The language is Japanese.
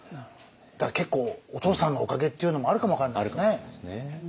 だから結構お父さんのおかげっていうのもあるかも分かんないですね。